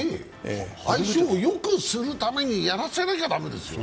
相性をよくするためにやらせなきゃ駄目ですよね。